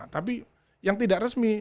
tapi yang tidak resmi